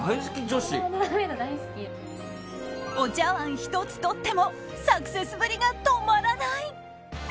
お茶わん１つとってもサクセスぶりが止まらない。